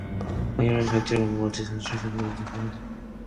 강렬한 자극제를 먹은 것 같이 철수의 얼굴과 등골에는 땀이 흘렀다.